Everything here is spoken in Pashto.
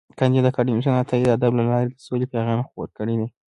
کانديد اکاډميسن عطايي د ادب له لارې د سولې پیغام خپور کړی دی.